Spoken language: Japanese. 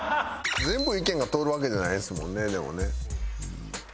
全部意見が通るわけじゃないですもんねでもね。